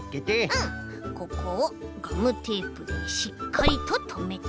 ここをガムテープでしっかりととめて。